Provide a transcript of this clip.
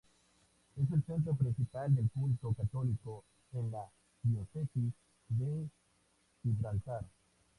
Es el centro principal del culto católico en la diócesis de Gibraltar.